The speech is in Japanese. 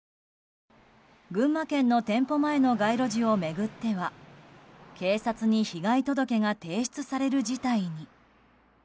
群馬県の店舗前の街路樹を巡っては警察に被害届が提出される事態に。